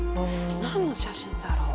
何の写真だろう。